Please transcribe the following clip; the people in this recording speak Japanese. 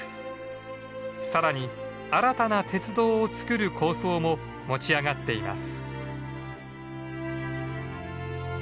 更に新たな鉄道を造る構想も持ち上がっています。